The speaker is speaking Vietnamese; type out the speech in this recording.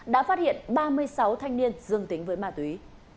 đã phát hiện ba mươi sáu thanh niên dương tính với ma túy